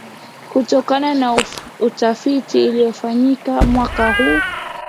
kutokana na utafiti uliyofanyika mwaka huu